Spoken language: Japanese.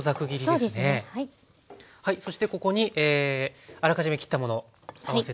そしてここにあらかじめ切ったもの合わせてあります。